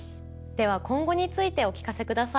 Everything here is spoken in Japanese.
では今後についてお聞かせください。